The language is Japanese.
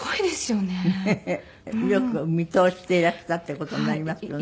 よく見通していらしたって事になりますよね。